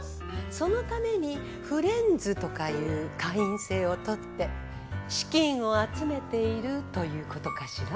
そのためにフレンズとかいう会員制をとって資金を集めているということかしら？